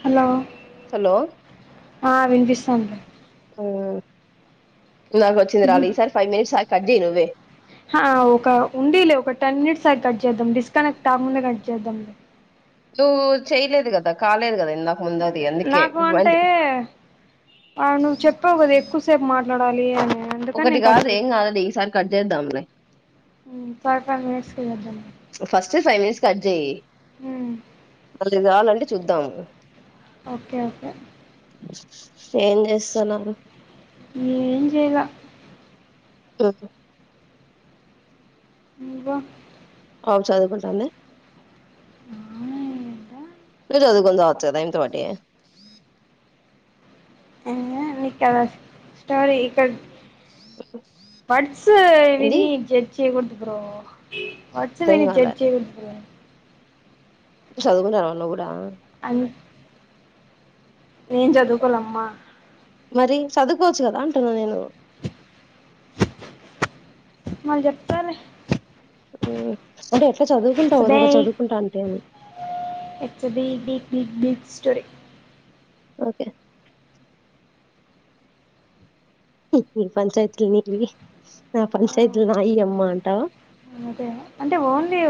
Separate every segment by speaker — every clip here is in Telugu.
Speaker 1: హలో
Speaker 2: హలో
Speaker 1: ఆ వినిపిసస్థాంది
Speaker 2: ఆ నాకు వచ్చంది రాలే ఈ సారి ఫైవ్ మినిట్స్ ఆగి కట్ జెయి నువ్వే
Speaker 1: హ ఒక ఉండి లే ఒక టెన్ మినిట్స్ ఆగి కట్ చేద్దాం డిస్కనెక్ట్ కాక ముందే కట్ చేద్దాం
Speaker 2: ను చెయలేదు కదా కాలేదు కదా ఇందాక ముందది అందుకే
Speaker 1: నాకు అంటే
Speaker 2: మంది
Speaker 1: నువ్వు చెప్పావు కదా ఎక్కు సేపు మాట్లాడాలి అని అందుకని
Speaker 2: ఒకటి
Speaker 1: నేను కట్
Speaker 2: కాదు ఏం
Speaker 1: చేయలే
Speaker 2: కాదది ఈసారి కట్ చేేద్దాంలే
Speaker 1: మ్ ఫైవ్ ఫైవ్ మినిట్స్కి చేద్దాంలే
Speaker 2: ఫస్ట్ ఫైవ్ మినిట్స్ కట్ చేయి
Speaker 1: హ్మ్
Speaker 2: మళ్ళీ కావాలంటే చూద్దాము
Speaker 1: ఓకే ఓకే
Speaker 2: ఏం చేస్తున్నారు.
Speaker 1: ఏం చేయలా
Speaker 2: [unintelligible]
Speaker 1: వా
Speaker 2: పాప చదుకుంటందా ను చదు [inaudible]
Speaker 1: మీకులా స్టోరీ ఇక్క వర్డ్స్
Speaker 2: ఏంది
Speaker 1: వినీ జడ్జ్ చేయకూడదు బ్రో వర్డ్స్
Speaker 2: అర్థం
Speaker 1: విని జడ్జ్ చేయదు.
Speaker 2: అ చదువుకుంటారు వాన్ను కూడా
Speaker 1: నేం చదువుకోలమ్మా
Speaker 2: మరి చదువుకోవచ్చు కదా అంటును నేను
Speaker 1: మళ్ళ చెప్తారు
Speaker 2: హా అంటే ఎట్లా చదువుకుంటావు కదొ ఒక
Speaker 1: బిగ్
Speaker 2: చదువుకుంటా అంటే అని
Speaker 1: స్టోరి
Speaker 2: ఓకే ఈ పంచాయతీల నీవి నా పంచాయతీల నాయి అమ్మ అంటా
Speaker 1: అదే అంటే ఓన్లీ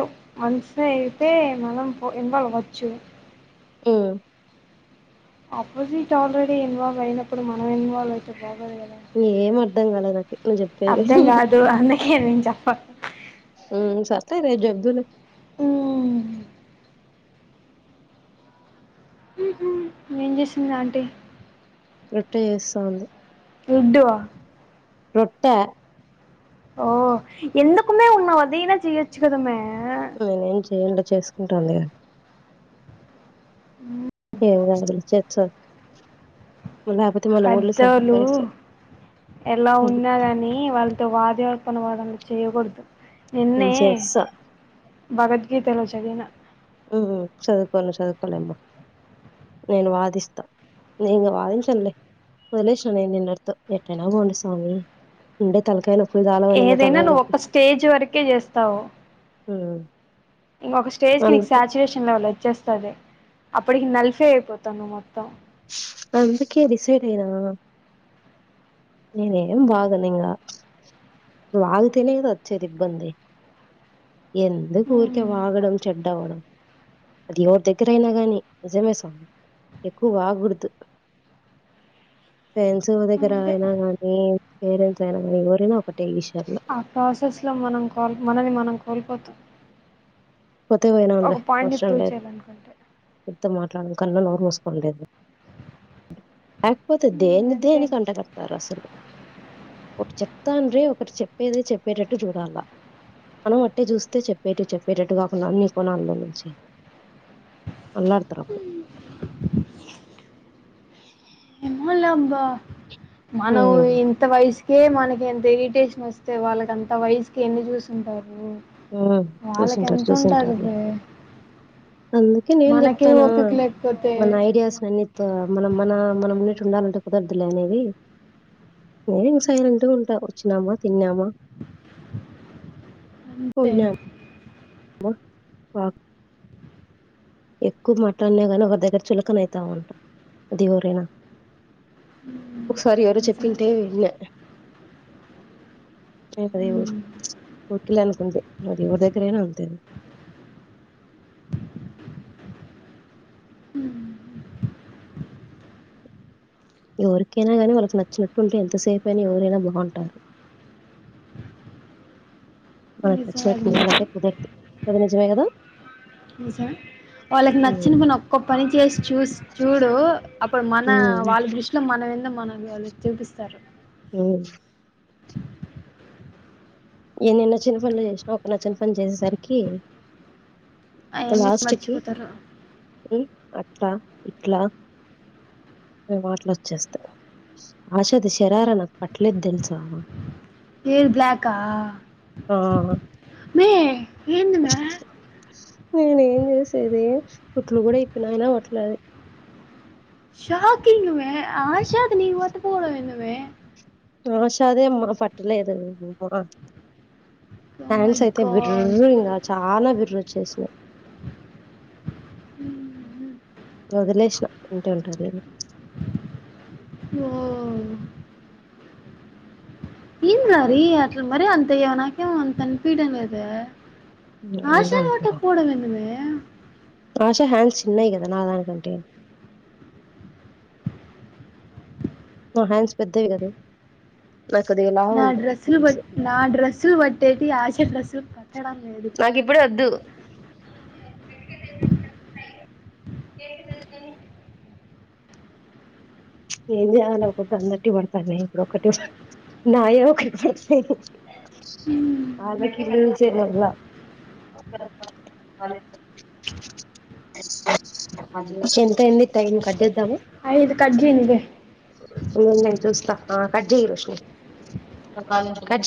Speaker 1: వన్స్ అయితే మనం ఓ ఇన్వాల్వ్ వచ్చు
Speaker 2: హమ్
Speaker 1: ఆపోజట్ ఆల్్రెడి ఇన్వావల్వ్ అయినప్పుడు మనం ఇన్వాల్వ్ అయిప్పు బాద
Speaker 2: ఏం అర్థం కాలే నాకి నువ్వు చెప్పేది.
Speaker 1: అబ్ధంగా కాదు అన్నకే చెప్ప
Speaker 2: సస్తా రేపు చెబ్డువులే
Speaker 1: నేం చేసింది అంటే
Speaker 2: రొట్టె చేస్తోంది
Speaker 1: రోడు ఆ
Speaker 2: రొట్ట
Speaker 1: ఓ ఎందుకుమే ఉన్న వదనా జచ్చుకుదుమే
Speaker 2: అ ఎం అయినా చెయ్యండి చేసుకుంటాంది
Speaker 1: ఉ
Speaker 2: ఏ స
Speaker 1: పెద్దోళ్లు ఎలా
Speaker 2: హ్మ్.
Speaker 1: ఉన్నా కాని వాళ్ళు కొ వాదో అనువాదలు చేయకూడదు
Speaker 2: నేను చేస్తా
Speaker 1: భగద్గీతలో చదివిన
Speaker 2: చదుకో చదుకోలేమ్మ నేను వాదిస్తా ఇంక వాదించానులే వదిలేసాను నేను నిన్నర్తో ఎట్టైనా బోండి స్వామి ఉండే తలకాయిన
Speaker 1: ఏదైనా నువ్వు ఒక స్టేజ్ వరకే చేస్తావు
Speaker 2: ఆ
Speaker 1: ఇంక స్టేజ కి నీ సాాచురేషన్ లెవెల్ వచ్చే వస్తుదే అప్పటికి నలిఫే అయిపోతా నువ్వు మొత్తం
Speaker 2: అందుకే డిసైడ్ అయనా నేనేం బాగను ఇకా బాగుతేనే కదా వచ్చేది ఇబ్బంది ఎందు కూరిక
Speaker 1: హ్మ్
Speaker 2: వాగడం చెడ్డవడం అది ఎవరి దగ్గరయినా గాని నిజమే స్వామి ఎక్కువ వాగకూడదు ఫ్రెండ్స్ దగ్గర
Speaker 1: అంతే
Speaker 2: ఉ ఎవరైనా ఒక
Speaker 1: ఆ ప్రాసెస్ లో మనం కాల్ మనని మనం కోల్పోతు
Speaker 2: పోతే పోయినాంలే అవసరం లేదు.
Speaker 1: చేయాలనుకుంటే
Speaker 2: ఎంతో మాట్లాడచ్చు. కన్న నోరు మూసుకోండేదు లేకపోతే
Speaker 1: హ్మ్
Speaker 2: దేని
Speaker 1: అంతే
Speaker 2: దేనికి అంటకడతారు. అసలు ఒక చెక్క తండ్రి ఒకటి చెప్పేది చెప్పేటట్టు చూడాలా, మనం అట్టే చూస్తే చెప్పేటటు చెప్పేటట్టు కాకుండా అన్ని కోణాల్లో నుంచి. అల్లరిత్రే
Speaker 1: ఎమో లంబ మనం
Speaker 2: హ్మ్.
Speaker 1: ఇంత వయసు కే మనకి ఎంత ఇరిటేషన్ వస్తే వాళ్ళకింత వయసుకి ఎన్ని చూసుంటారు.
Speaker 2: ఉ
Speaker 1: వాళ్ళకి
Speaker 2: చూసింటారు
Speaker 1: ఎంత ఉంటది
Speaker 2: చూసింటారులే
Speaker 1: బే
Speaker 2: అందుకే నేను
Speaker 1: మనకే
Speaker 2: చెప్తాను.
Speaker 1: ఓపిక లేకపోతే
Speaker 2: మన ఐడియాస్
Speaker 1: ఎట్లా
Speaker 2: అన్ని మన మన మన మున్నిట్ ఉండాలంటే కుదరదులే అనేది నేను ఇంక సైలెంట్గా ఉంటా వచ్చినామా తిన్నామా
Speaker 1: అంతే
Speaker 2: పోనా [unintelligible] ఎక్కువ మటన్నగాని ఒకరి దగ్గర చులకన అవుతా అంట. అది ఎవరైనా
Speaker 1: మ్మ్.
Speaker 2: ఒకసారి ఎవరు
Speaker 1: నిజమే
Speaker 2: చెప్పింటే విన్న నది
Speaker 1: మ్మ్.
Speaker 2: ఊరికిల అనుకుంటే అది ఎవరి దగ్గరైనా అంతే. ఎవరికైనా గానీ వాళ్ళకి నచ్చినట్టు ఉంటే, ఎంతసేపు అయినా ఎవరైనా బాగుంటారు.
Speaker 1: నిజమే
Speaker 2: చ్చే
Speaker 1: అది మాత్రం
Speaker 2: కుదుర్తు అదిన నిజమే కదా
Speaker 1: వాళ్ళకి
Speaker 2: ఉమ్
Speaker 1: నచ్చిన పని ఒక్క పని చేసి చూ చూడు అప్పుడు మన
Speaker 2: ఉమ్
Speaker 1: వాళ్ళ దృష్టిలో మన వింద మన వాళ్ళ చూపిస్తారు.
Speaker 2: ఉమ్ ఎన్ని నచ్చిన పనులు చేసినా, ఒక నచ్చిన పని చేసేసరికి
Speaker 1: అవన్నీ
Speaker 2: లాస్ట్ కీ
Speaker 1: మర్చిపోతారు
Speaker 2: ఉ ఇలా ఇట్లా మే మాట్లొచ్చేస్తాయి ఆషాది శరారా నాకు పట్టలేదు తెలుసా.
Speaker 1: ఇది బ్లాక్ క
Speaker 2: ఆ
Speaker 1: ఎందిమే
Speaker 2: నేను ఏం చేసేది కుట్లు కూడా ఇప్పినా, అయిన అవట్లేదు.
Speaker 1: షాకింగ్మే ఆషాద్ న మట్ పోడం ఎమే
Speaker 2: ఆషదే అమ్మా పట్టలే ఎదు అమ్మా
Speaker 1: మై
Speaker 2: న్యాన్స్ ఐతే
Speaker 1: గాడ్
Speaker 2: బిర్రు ఇంగ చాలా బిర్రు చేసిన వదిలేసిన అంటే ఉంటారుడి
Speaker 1: ఓ ఎం దారీ అట్ల మరి అంత యన నాకు అంతా ఏమి అనిపీయ్యాడమ్ లేదు ఆ చీర కట్టుకుపోవడం ఎందిమే
Speaker 2: ఆషా హ్యాండ్స్ చిన్నవి కదా నాదాని కంటే నా హ్యాండ్స్ పెద్దవి కదా
Speaker 1: నా డ్రస్సులు బట్ నా డ్రెస్సులు బట్టేటి ఆశా డ్రస్సులు
Speaker 2: నాకి ఇప్పుడే వద్దు [inaudible] ఏంది అయిన అందరికీ పడతాండాయి ఇప్పుడు ఒకటి సారి నాయి ఒక్క టెన్స్ న్ వాళ్ళాకి లూజె మాళ్ళా ఎంత అయింది టైం కట్టెద్దామా
Speaker 1: అయితే కట్ చెయ్ నువ్వే
Speaker 2: అన్నం తినిపిస్తా ఆ కట్ చెయ్ పస్ట్ నువ్వు కట్ చెయ్